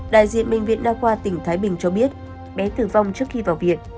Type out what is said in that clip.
đại diện bệnh viện đa khoa tỉnh thái bình cho biết bé tử vong trước khi vào viện